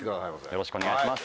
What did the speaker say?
よろしくお願いします。